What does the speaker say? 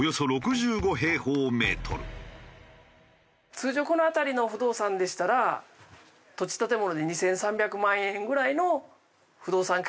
通常この辺りの不動産でしたら土地建物で２３００万円ぐらいの不動産価格になると思われます。